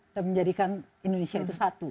dan menjadikan indonesia itu satu